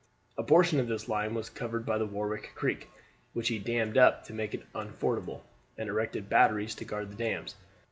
A portion of this line was covered by the Warwick Creek, which he dammed up to make it unfordable, and erected batteries to guard the dams.